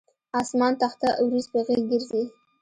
اسمان تخته اوریځ په غیږ ګرځي